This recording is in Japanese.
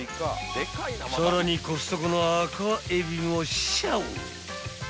［さらにコストコの赤海老もシャオ］